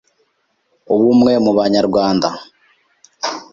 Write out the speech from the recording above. Ubumwe mu banyarwanda